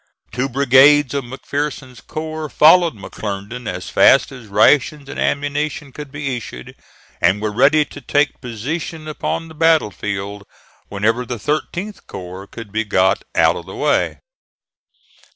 Two brigades of McPherson's corps followed McClernand as fast as rations and ammunition could be issued, and were ready to take position upon the battlefield whenever the 13th corps could be got out of the way.